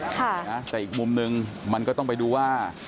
แต่อีกมุมนึงมันก็ต้องไปดูว่า